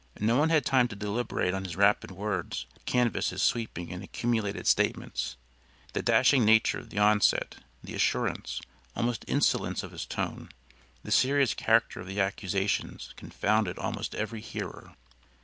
No one had time to deliberate on his rapid words or canvass his sweeping and accumulated statements. The dashing nature of the onset, the assurance, almost insolence of his tone; the serious character of the accusations, confounded almost every hearer.